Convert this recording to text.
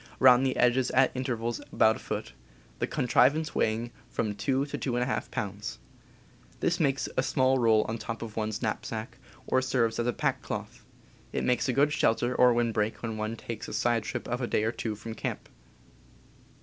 j^^^^ around the edges at intervals of about a foot, the contrivance weighing from 2 to 2^ pounds?) This makes a small roll on top of one's knap sack, or serves as a pack cloth. It makes a good shel ter or windbreak when one takes a side trip of a day or two from camp.